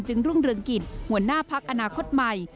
รุ่งเรืองกิจหัวหน้าพักอนาคตใหม่